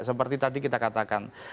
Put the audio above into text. seperti tadi kita katakan